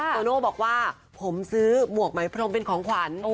โตโน่บอกว่าผมซื้อหมวกไหมพรมเป็นของขวัญ